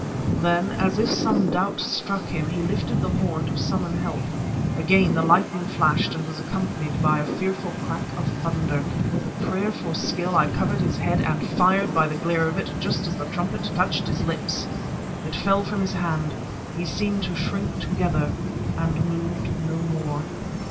Then as if some doubt struck him he lifted the horn to summon help. Again the lightning flashed and was accompanied by a fearful crack of thunder. With a prayer for skill, I covered his head and fired by the glare of it just as the trumpet touched his lips. It fell from his hand. He seemed to shrink together, and moved no more.